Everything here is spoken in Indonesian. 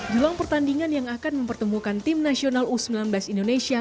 jelang pertandingan yang akan mempertemukan tim nasional u sembilan belas indonesia